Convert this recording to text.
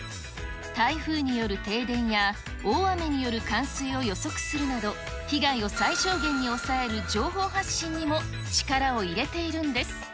台風による停電や、大雨による冠水を予測するなど、被害を最小限に抑える情報発信にも力を入れているんです。